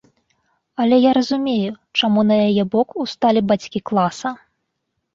Але я разумею, чаму на яе бок усталі бацькі класа.